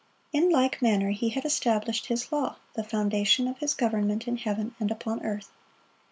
In like manner He had established His law, the foundation of His government in heaven and upon earth.